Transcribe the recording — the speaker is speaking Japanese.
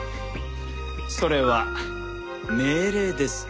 それは命令ですか？